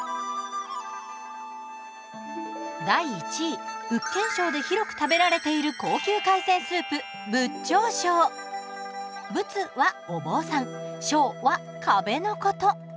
第１位福建省で広く食べられている高級海鮮スープ仏はお坊さんは壁のこと。